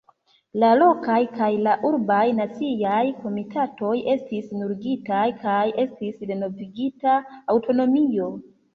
La lokaj kaj la urbaj naciaj komitatoj estis nuligitaj kaj estis renovigita aŭtonomio.